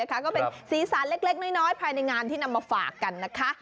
ก็เป็นสีสันเล็กน้อยภายในงานที่นำมาฝากกันนะคะ